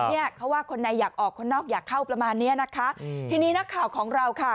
เนี่ยเขาว่าคนในอยากออกคนนอกอยากเข้าประมาณเนี้ยนะคะอืมทีนี้นักข่าวของเราค่ะ